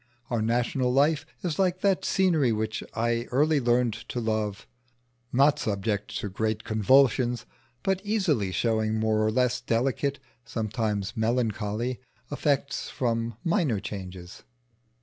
Our national life is like that scenery which I early learned to love, not subject to great convulsions, but easily showing more or less delicate (sometimes melancholy) effects from minor changes.